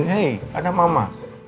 hei ada mama